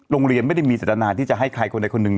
โรงเรียนไม่ได้มีเจตนาที่จะให้ใครคนใดคนหนึ่ง